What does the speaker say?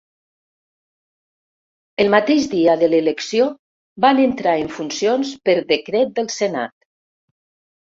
El mateix dia de l'elecció van entrar en funcions per decret del senat.